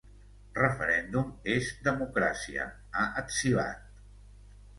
Referèndum és democràcia, ha etzibat.